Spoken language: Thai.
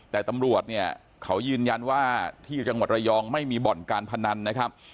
แต่ตำรวจเนี่ยเขายืนยันว่าที่จังหวัดระยองไม่มีบ่อนการพนันนะครับ